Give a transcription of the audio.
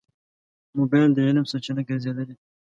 موبایل د علم سرچینه ګرځېدلې.